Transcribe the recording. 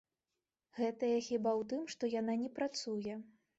Гэтая хіба ў тым, што яна не працуе.